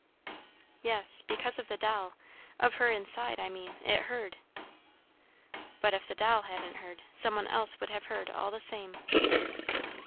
"Yes because of the doll, of her inside, I mean. It heard." "But if the doll hadn't heard, some one would have heard all the same."